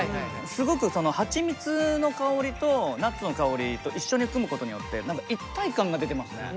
すごくはちみつの香りとナッツの香りと一緒に組むことによって一体感が出てますね。